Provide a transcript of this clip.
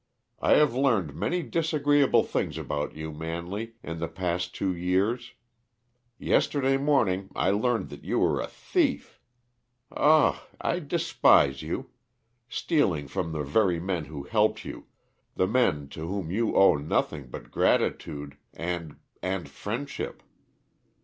I have learned many disagreeable things about you, Manley, in the past two years; yesterday morning I learned that you were a thief. Ah h I despise you! Stealing from the very men who helped you the men to whom you owe nothing but gratitude and and friendship!